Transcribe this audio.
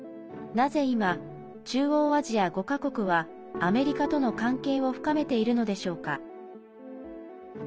なぜ今、中央アジア５か国はアメリカとの関係を深めているのでしょうか。